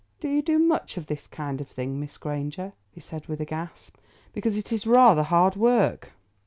"Do you do much of this kind of thing, Miss Granger?" he said with a gasp, "because it is rather hard work."